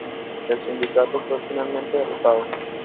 El Sindicato fue finalmente derrotado.